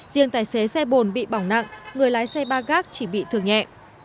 riêng tài xế xe bồn bị bỏng nặng người lái xe ba gác chỉ bị thương nhẹ